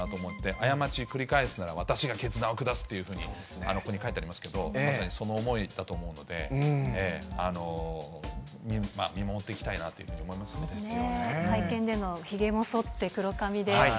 過ち繰り返すなら私が決断を下すというふうに、ここに書いてありますけど、まさにその思いだと思うので、見守っていきたいなというふうに思いますけどね。